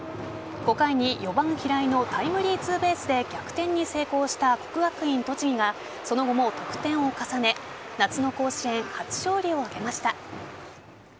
５回に４番・平井のタイムリーツーベースで逆転に成功した国学院栃木がその後も得点を重ね夏の甲子園初勝利を挙げました。